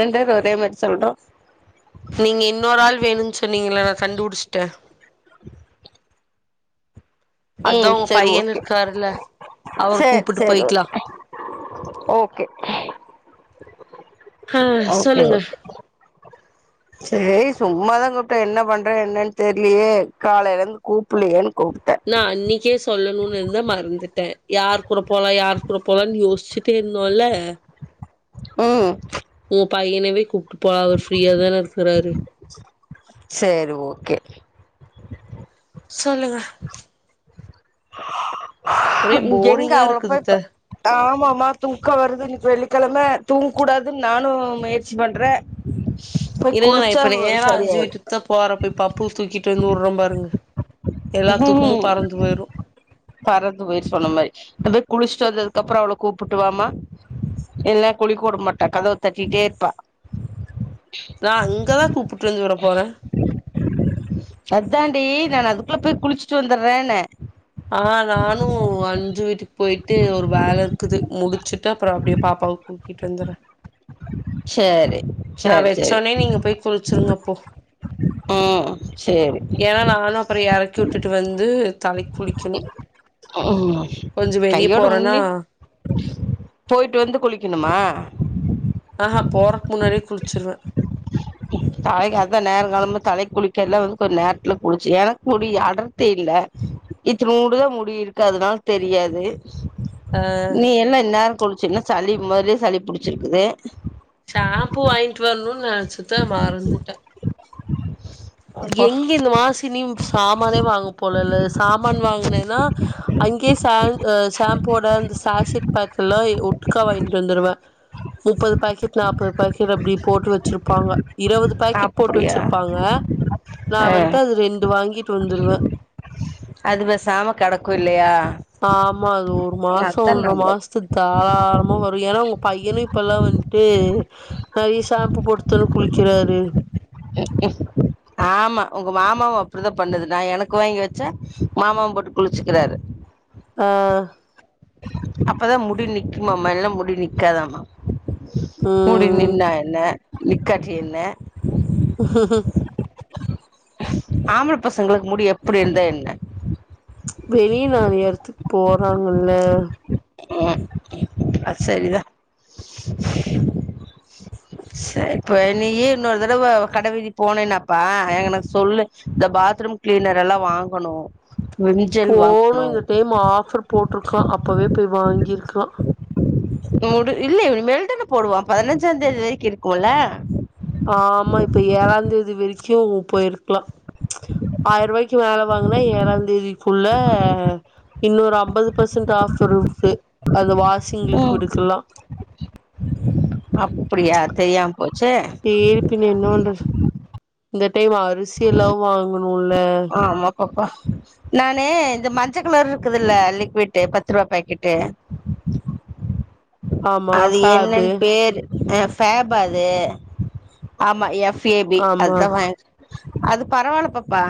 ரெண்டேரு ஒரே மாரி சொல்றோ நீங்க இன்னொர் வேணுன் சொன்னீங்கல நா கண்டுபுடிச்ட்ட அதா ம் உங்க சேர் பையன் ஓகே இருக்காருல்ல அவர சேர் கூப்பிட்டு சேரி போய்க்கலா ஓகே ஆ ஓகே ஓகே சொல்லுங்க ஓகே சேரி சும்மாதா கூப்ட்ட என்ன பண்ற என்னன் தெரிலியே காலைலேந் கூப்புல்லியேன் கூப்ட்ட நா அன்னிக்கே சொன் சொல்லணுன் இருந்தே மறந்துட்டே யார் கூட போலா யார் கூட போலான் யோசிச்சுட்டே இருந்தோல்ல ம் உங் பையனவே கூப்ட்டு போலா அவர் ஃப்ரீயா தா இருக்குறாரு சேரி ஓகே சொல்லுங்க ஒரே எங்க போரிங்கா அவள இருக்குது போய் த ப ஆமாமா தூக்க வருது இன்னிக் வெள்ளி கெழம தூங் கூடாதுன் நானு முயற்சி பண்ற போய் குளிச்சா வ் சரியாய்ரு த்த போற போய் பப்புவ தூக்கிட்டு வந்து உட்ற பாருங்க எல்லா தூக்குமு ம் பறந்து போய்ரு பறந்து போய்ரு சொன்ன மாரி நீ போய் குளிச்ட்டு வந்ததுக்கப்றோ அவள கூப்புட்டு வாமா இல்ல குளிக்க வுட மாட்டா கதவு தட்டிட்டே இருப்பா நா அங்க தா கூப்புட்டு வந்து விட போற அத்தாண்டி நானு அதுக்குள்ள போய் குளிச்சுட்டு வந்துர்றேன்ன ஆ நானு அஞ்சு வீட்டுக்கு போய் ட்டு ஒரு வேல இருக்குது முடிச்சுட்டு அப்றோ அப்டே பாப்பாவ கூட்டிட்டு வந்துர்றே சேரி நா சேரி சேரி வச்சோனே நீங்க போய் குளிச்சிருங்க அப்போ ம் சேரி ஏனா நாங்கலா அப்பறோ எறக்கி உட்டுட்டு வந்து தலைக்கி குளிக்கணு ம் கொஞ்சோ வெளிய கையோட போறனா முன்னி போயிட்டு வந்து குளிக்கிணுமா ஆ ஹா போறக் முன்னாடியே குளிச்சிருவே தலைக்கு அதா நேரோ காலமா தலை குளிக்கெல்லா வந்து கொஞ்சோ நேரத்துல குளிச்சு எனக்கு முடி அடர்த்தி இல்ல இத்துனோன்டுதா முடி இருக்கு அதனால தெரியாது ஆ நீ என்ன இந்நேர குளிச்சன்னா சளி மொதலே சளி புடிச்சிருக்குது ஷாப்பு வாங்ட்டு வரணுண் நெனச்சுத மறந்துட்ட அப்பா எங்க இந்த மாசி லீவு சாமானே வாங்க போலல்ல சாமான் வாங்னேன்னா அங்கேயே ஷாம் ஷாம்போட அந்த சாஷிட் பாடிலு உட்க்கா வாங்கிட்டு வந்துருவ முப்பது பாக்கெட் நாப்பது பாக்கெட் அப்டி போட்டு வச்சிருப்பாங்க இருபது பாக்கெட் போட்டு அப்படியா வச்சிருப்பாங்க நா ஆ வந்த்ட்டு அது ரெண்டு வாங்கிட்டு வந்துடுவ அது பேசாம கெடக்கு இல்லையா ஆ ஆமா அது ஒரு மாச அதா ஒன்ற நல்லது மாசத்து தாராளமா வரு ஏனா உங்க பையனு இப்பலா வந்துட்டு நெறைய ஷாம்பு போட்டுத்தான குளிக்கிறாரு மக்கும் ஆமா உங்க மாமாவு அப்டிதா பண்ணுது நா எனக்கு வாங்கி வச்சா மாமாவு போட்டு குளிச்சுக்கிறாரு ஆ அப்பதா முடி நிக்குமாம்மா இல்லன்னா முடி நிக்காதாமா முடி ம் நின்னா என்ன நிக்காட்டி என்ன ஹுஹும் ஆம்பள பசங்களுக்கு முடி எப்டி இருந்தா என்ன வெளிய நாலு எடத்துக்கு போறாங்கல்ல ம்ம் அது சரிதா ச இப்ப நீயே இன்னொரு தடவ கட வீதிக்குபோனேன்னாப்பா எங்க எனக்கு சொல்லு இந்த பாத்ரூம் கிளீனரெல்லா வாங்கணு விம் ஜெல் போணூம் வாங்கணு இந்த டைம் ஆஃபர் போட்ருக்கா அப்பவே போய் வாங்கியிருக்கலா முடி இல்ல இனிமேல்தா போடுவா பதினஞ்சாம் தேதி வரைக்கும் இருக்குல்ல ஆ ஆமா இப்ப ஏழாந்தேதி வரைக்கும் போயிருக்கு லாம் ச் ஆயி ரூபாய்க்கு மேல வாங்குனா ஏழாந் தேதிக்குள்ள இன்னொரு அம்பது பர்சன்ட் ஆஃபர் இருக்கு அது வாஷிங் ம் லிக்விடுக்குல்லா அப்டியாத் தெரியாம போச்சே சேரி பின்ன என்ன பன்றது இந்த டைம் அரிசி எல்லாவு வாங்குணுல்ல ஆ ஆமா பாப்பா நானு இந்த மஞ்சள் கலர்ரு இருக்குதுல்ல லிக்விட்டு் பத்து ரூபா பாக்கெட்டு ஆமா அது ஃபேபு என்னன்னு பேரு ஃபேப் ஆ அது ஆமா எப் ஏ பி ஆமா அதுதா வாங்க அது பரவாலப் பாப்பா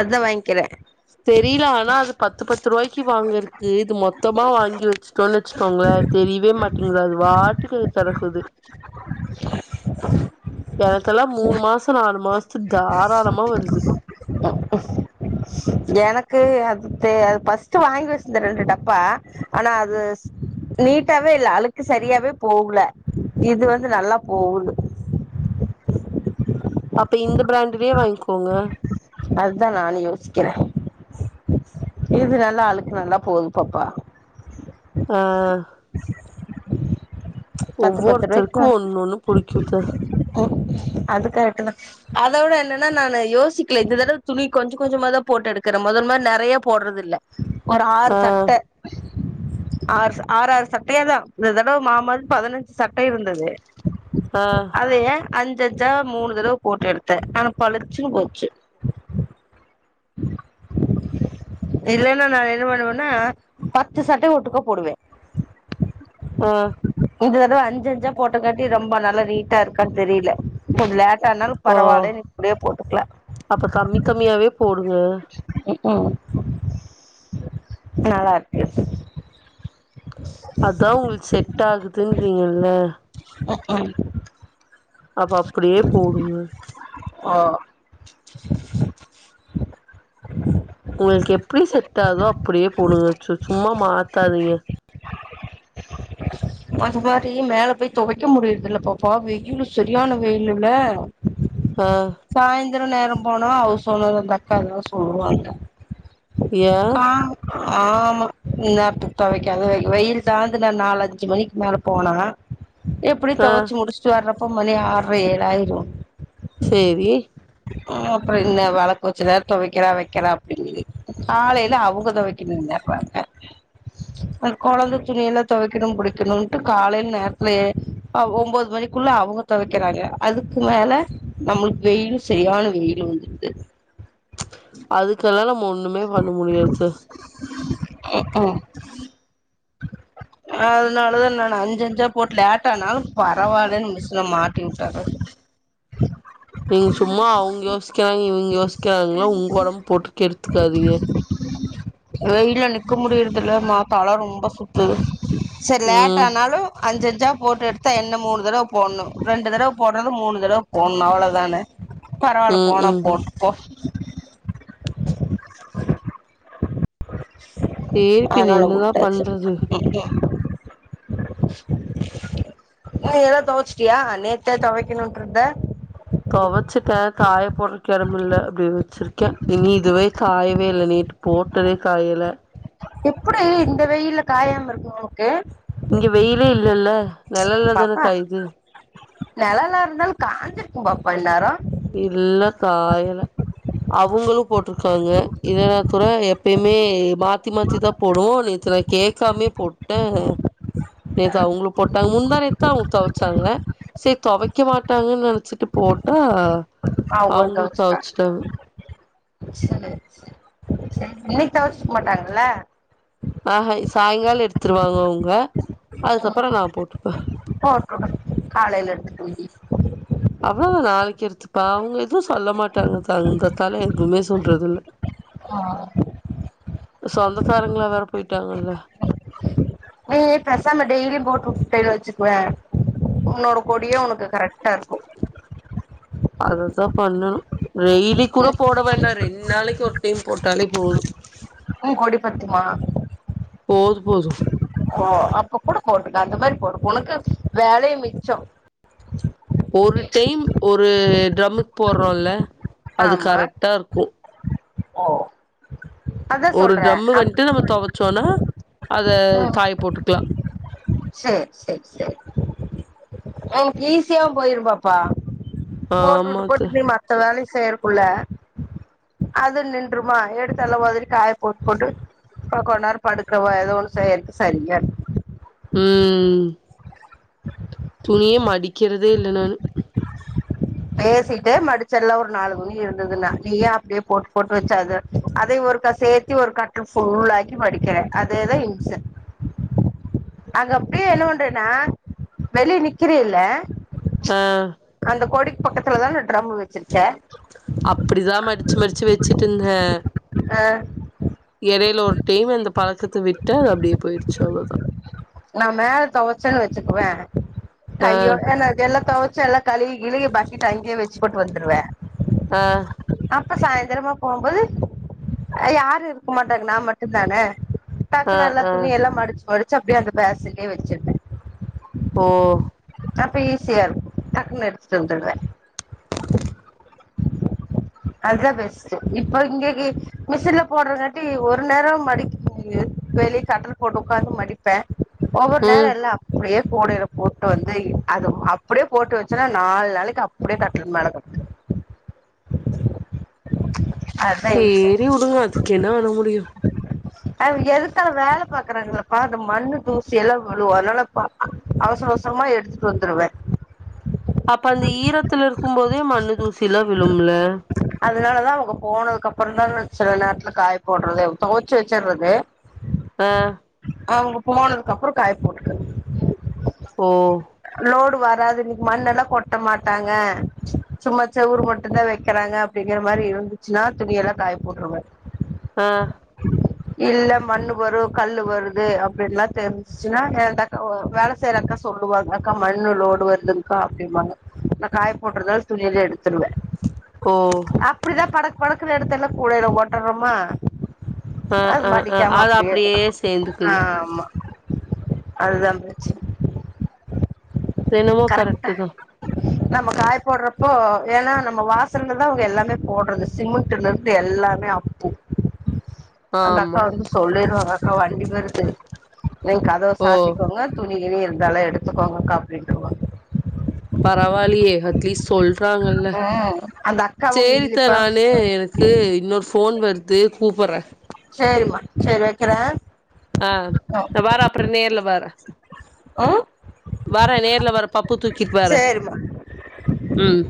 அதா வாங்கிக்கிற தெரில ஆனா அது பத்து பத்து ரூவாய்க்கு வாங்க இருக்கு இது மொத்தமா வாங்கி வச்சுட்டோனு வச்சுகோங்க தெரியவே மாட்டிங்து அது வாட்டுக்கு தொரக்குது [unintelligible] எனககெல்லா மூணு மாச நாலு மாசத்துக்கு தாராளமா வருது ம்கும் எனக்கு அது அது ஃபர்ஸ்ட் வாங்கி வச்சிருந்த ரெண்டு டப்பா ஆனா அது நீட்டாவே இல்ல அழுக்கு சரியாவே போகல இது வந்து நல்லா போகுது அப்ப இந்த பிராண்டலயே வாங்கிக்கோங்க அதுதா நானும் யோசிக்கற இது நல்லா அழுக்கு நல்லா போகுது பாப்பா அ பத்து பத்து ஒவ்வொருத்தருக்கும் ஒன்னு ஒண்ணு பிடிக்குது ஓ அது கரக்ட்டு தா அத விட என்னன்னா நானு யோசிக்கல இந்த தடவ துணி கொஞ்ச கொஞ்சமாத்தா போட்டு எடுக்கறே மொத மாரி நெறைய போடுறது இல்ல ஒரு ஆறு ஆ சட்டை ஆறு ஆறு ஆறு சட்டையா தா இந்த தடவ மாமாது பதினஞ்சு சட்ட இருந்தது ஆ அதையே அஞ்சு அஞ்சா மூணு தடவ போட்டு எடுத்தே ஆனா பழுச்சுன்னு போச்சு [inaudible] [inaudible] இல்லன்னா நா என்ன பண்ணுவேன்னா பத்து சட்ட ஒட்டுக்கா போடுவே ஆ இந்த தடவ அஞ்சு அஞ்சா போட்டக்காட்டி ரொம்ப நல்லா நீட்டா இருக்கான் தெரியல கொஞ்ச லேட்டானாலு ஓ பரவால்லனு இப்டியே போட்டுக்லா அப்ப கம்மி கம்மியாவே போடுங்க ம்ஹூம் நல்லாருக்கு அதா ஒங்களுக்கு செட் ஆகுதுன்றீங்கல்ல ம்ஹூம் அப்ப அப்டியே போடுங்க ஓ உங்களுக்கு எப்டி செட் ஆதோ அப்டியே போடுங்க சும்மா மாத்தாதீங்க அது மாரி மேல போய் தொவைக்க முடியறுதில்லப்பா பா வெயிலு சு சரியான வெயில்லுல்ல ஆ சாயந்தர நேரம் போனா ஹவுஸ் ஓனரு அந்த அக்கா எதாது சொல்லுவாங்க ஏ ஆ ஆமா இந்நேரத்துக்கு தொவைக்காத வெயில் தாழ்ந்து நா நாலு அஞ்சு மணிக்கு மேல போனா எப்டியு ஆ தொவச்சு முடிச்சுட்டு வர்றப்போ மணி ஆறரை ஏழாயிரு சேரி அப்புற என்ன வெளக்கு வெச்ச நேரம் தொவைக்கறா வைக்கிறா அப்படின்னுது காலையில அவுங்க தொவைக்கணுங்க பண்ணே அந்த கொழந்த துணியல்லா தொவைக்கணு புடிக்கணும்ட்டு காலேல நேரத்துலயே ஒம்பது மணிக் குள்ள அவுங்க தொவைக்கறாங்க அதுக்கு மேல நம்மளுக்கு வெயில்லு சரியான வெயிலு வந்துடுது அதுக்காகல்லா நம்ம ஒண்ணுமே பண்ண முடியாது சார் ம்ஹூம் அதுனாலதா நானு அஞ்சு அஞ்சா போட்டு லேட்டானாலும் பரவாயில்லன்னு மிஷின மாட்டி வுட்டரது நீங்க சும்மா அவுங்க யோசிக்கறாங்க இவுங்க யோசிக்கிறாங்கல்லா உங்க உடம்ப போட்டுக்கெடு வெயில்ல நிக்க முடியறதில்லமா தல ரொம்ப சுத்துது சரி ம் லேட்டானாலு அஞ்சஞ்சா போட்டு எடுத்தா என்ன மூணு தடவ போட்ணு ரெண்டு தடவ போடுறது மூணு தடவ போட்ணு அவ்ளதானே பரவாயில்ல ம் போனா ம் போட்டு போ [inaudible] சேரிப்பின்ன என்னதா பண்றது இருக்யா அ எல்லா துவச்சிட்டியா நேத்தே துவைக்கணுன்றத துவச்சட்டே காய போடுக இடமில்ல அப்டி வச்சிருக்கே எ ங்க இதுவே காயவே இல்ல நைட்டு போட்டதே காயல எப்டி இந்த வெயில காயாம இருக்கு உன்க்கு இங்க வெயிலே இல்லல்ல நிழலல்ல தானே காயுது நிழல்லா இருந்தாலு காஞ்சுர்க்கும் பாப்பா இன்நேரோ இல்ல காயல அவுங்களு போட்டுருக்காங்க இதனாத்துட எப்பயுமே மாத்தி மாத்தி தாப் போடுவோ நேத்து நா கேட்காமயே போட்டே நேத்த அவங்களு போட்டாங்க முந்தா நேத்தா அவுங்க தொவச்சாங்க சேரி தொவக்க மாட்டாங்கன்னு நெனச்சிட்டு போட்டா அவங்களு தொவச்சட்டாங்க சேர் சேர் சேரி இன்னைக்கி தொவச்சிருக்க மாட்டாங்கல்ல ஆஹ் சாங்கால எடுத்துருவாங்க அவுங்க ம் போட்டு விடு ஆ காலையில இருந்து [unintelligible] அவ்ளோதா நாளைக்கி எடுத்துப்பா அவுங்க எதுவு சொல்ல மாட்டாங்க தந்தத்தால எதுமே சொல்றது இல்ல [unintelligible] சொந்தக்காரங்கள வேறு போயிட்டாங்கங்க நீ பேசாம டெய்லிம் போட்டுவுட்டனு வச்சுக்குவே உன்னோட கொடியு உனக்கு கரெக்ட்டா இருக்கு அததா பண்ணணும் டெய்லி கூட ம் போட வேண்டா ரெண்டு நாளைக்கி ஒரு டைம் போட்டாலே போது ம் கொடி பத்துமா போது போதும் ஓ அப்ப கூட போட்டுக்க அந்த மாரி போடு உனக்கு அந் வேலயு மிச்சம் ஒரு டைம் ஒரு ட்ரம்முக்கு போடுறோல்ல அது ஆமா கரெக்ட்டாருக்கு ஓ அதா ஒரு சொல்றே டிரம் அப் வந்து நம்ம துவச்சோனா அத ம் காய போட்டுக்லா சேர் சேர் சேரி உன்க்கு ஈஸியாவு போயிருபாப்பா ஆமா போட்டுவுட்டு த்த போட்டுவுட்டு நீ மத்த வேலயு செய்றக்குள்ள அது நின்றமா எடுத்து எல்லா அதலா ஒதரி காய போட்டுபோட்டு இப்ப கொண் நேரோ படுக்கவோ ஏதோ ஒரு செய்றதுக்கு செரியா இருக்கு ம் ம் துணியே மடிக்கிறதே இல்ல நானு [inaudible] பேசிட்டே மடிச்சர்லா ஒரு நாலுதுணி இருந்ததுன்னா நீ ஏ அப்டியே போட்டு போட்டு வச்சா அத அத ஒர்க்கா சேத்தி ஒரு கட்டல் ஃபுல்லாக்கி மடிக்கற அதேதா இம்ச அங்க அப்டியே என்னவன்றினா வெளிய நிக்கிறீல்ல ஆ அந்த கோடிக்கு பக்கத்துலதான ட்ரம் வச்சிருக்க அப்டிதா மடிச்சு மடிச்சு வச்சுட்டு இந்தே ஆ இடையில ஒரு டைம் அந்த பழக்கத்த விட்டே அது அப்டியே போய்ருச்சு அவ்ளத நா மேல தொவச்சன் வச்சுக்குவே ஆ கையோட் என்னதெல்லா தொவச்சு எல்லா கழுவி கிழுவி பக்கெட்ட அங்கயே வெச்சுப்போட்டு வந்துருவே ஆ அப்ப சாய்ந்தரமா போம்போது யாரு இருக்க மாட்டாங்க நா மட்டுந்தான ஆ டக்குனு எல்லா ஆ துணியெல்லா மடிச் மடிச்சு அப்டியே அந்த பேசன்லே வெச்சப்பே ஓ அப்ப ஈஸியா இர்க்கு டக்னு எடுத்துட்டு வந்துருவே அதா பெஸ்ட்டு இப்ப இங்க கீ மிஷின்ல போட்றங்காட்டி ஒரு நேரோ மடிக்க முடியிது வெளிய கட்டல் போட்டு ஒக்காந்து மடிப்பே ஒவ்வொரு நேரோ ம் எல்லா அப்பிடியே கூடைல போட்டு வந்து அது அப்பிடியே போட்டு வெச்சனா நால் நாளைக்கு அப்பிடியே கட்டில் மேல கெடக்கு ச் சேரி உடுங்க அதுக்கென்ன பண்ண முடியு அது எதுக் கால வேல பாக்கறாங்கல்லப்பா அந்த மண்ணு, தூசி எல்லா விழுகு அதுனால பா அ அவசர அவசரமா எடுத்துட் டு வந்துருவே அப்ப அந்த ஈரத்துல இருக்கும் போதே மண்ணு தூசி எல்லா விழுமில்ல அதுனாலதா அவுங்க போனதுக்கப்பறந்தா நா சில நேரத்துல காய போட்றதே தொவச்சு வெச்சட்றது அ அவங்க போனதுக்கப்பறோ காய போட்டுக்கற்து ஓ லோடு வராது இன்னிக் மண்ணெல்லா கொட்ட மாட்டாங்க சும்மா செவுரு மட்டுந்தா வெக்கறாங்க அப்டிங்கிற மாரி இருந்துச்சுன்னா துணியெல்லா காய போட்ருவே ஆ இல்லம் மண்ணு வரு, கல்லு வருது அப்டின்லா தெரிஞ்ச்சுன்னா எ அந்த அக்கா ஒ வேல செய்றக்கா சொல்லுவாங்க அக்கா மண்ணு லோடு வருதுங்க்கா அப்டிம்பாங்க நா காய போட்ருந்தாலு துணி எல்லா எடுத்துருவே ஓ அப்பிடிதா படக் படக்குனு எடுத்து எல்லா கூடைல போட்டர்றமா ம் ம் ம் அது அப்பிடியே சேந்துக்குது ஆமா அதுதா பிரச்சன என்னமோ கரெக்ட்த்த கரெக்ட்டு தா நம்ம காய போட்றப்போ ஏனா நம்ம வாசல்ல தா அவுங்க எல்லாமே போட்றது சிமெண்ட்டுலுர்ந்து எல்லாமே ஸ் ஆம் கா வந்து சொல்லீர்வாங்க அக்கா வண்டி வருது நீங் கதவ ஓ சாத்திக்கோங்க துணி கிணி இருந்தாலு எடுத்துக்கோங்கக்கா அப்டின்ருவாங்க பரவால்லியே அட்லீஸ்ட் சொல்றாங்கல்ல ம் அந்த அக்காவுங்க சேரித்த இல்லப்பா நானு கு இன்னோர் ஃபோன் வர்து கூப்பட்றே சேரிமா சேரி வெக்கறே ஆ இந்த வாரோ அப்பறோ நேர்ல வரே ம் வர நேர்ல வர பப்பு தூக்கிட் வர சேரிம்மா ம்